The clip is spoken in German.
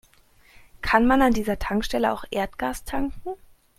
Kann man an dieser Tankstelle auch Erdgas tanken?